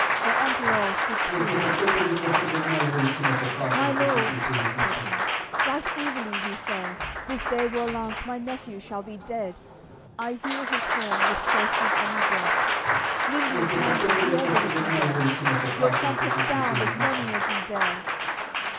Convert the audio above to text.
That Emperour stood still and listened then: "My lords," said he, "Right evilly we fare! This day Rollanz, my nephew shall be dead: I hear his horn, with scarcely any breath. Nimbly canter, whoever would be there! Your trumpets sound, as many as ye bear!"